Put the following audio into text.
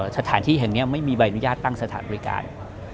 สถานที่แห่งนี้ไม่มีใบอนุญาตตั้งสถานบริการ